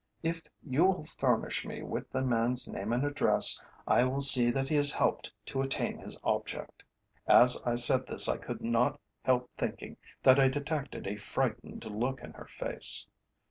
If you will furnish me with the man's name and address, I will see that he is helped to attain his object." As I said this I could not help thinking that I detected a frightened look in her face.